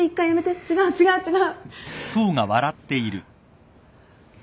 違う違う違う。